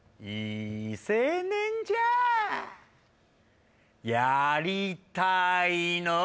い青年じゃヤりたいのう